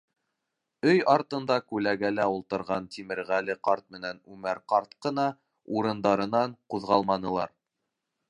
Өй артында күләгәлә ултырған Тимерғәле ҡарт менән Үмәр ҡарт ҡына урындарынан ҡуҙғалманылар.